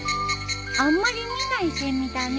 あんまり見ないセミだね。